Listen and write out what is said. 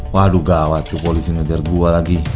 waduh gak wajib polisi mengejar gue lagi